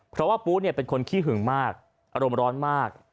เพราะว่าปุ๊เป็นคนขี้หึงมากอารมณ์ร้อนมาก